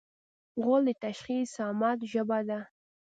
غول د تشخیص صامت ژبه ده.